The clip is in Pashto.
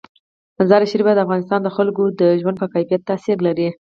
مزارشریف د افغانستان د خلکو د ژوند په کیفیت تاثیر لري.